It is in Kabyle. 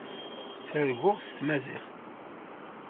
Ttarguɣ s tmaziɣt.